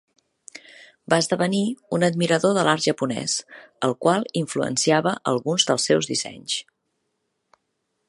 Va esdevenir un admirador de l'art japonès, el qual influenciava alguns dels seus dissenys.